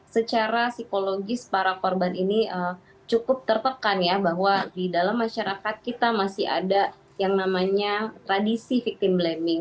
secara psikologis para korban ini cukup tertekan ya bahwa di dalam masyarakat kita masih ada yang namanya tradisi victim blaming